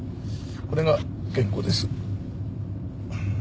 これが原稿です。